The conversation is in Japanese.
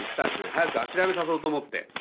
早く諦めさせようと思って。